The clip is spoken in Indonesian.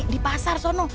di pasar soalnya